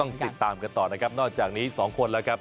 ติดตามกันต่อนะครับนอกจากนี้๒คนแล้วครับ